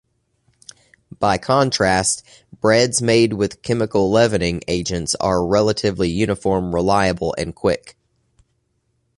By contrast, breads made with chemical leavening agents are relatively uniform, reliable, and quick.